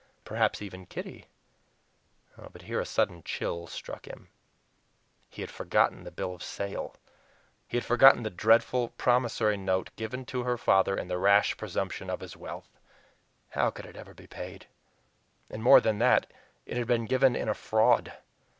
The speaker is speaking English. Perhaps even Kitty but here a sudden chill struck him. He had forgotten the bill of sale! He had forgotten the dreadful promissory note given to her father in the rash presumption of his wealth! How could it ever be paid? And more than that, it had been given in a fraud.